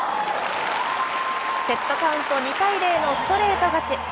セットカウント２対０のストレート勝ち。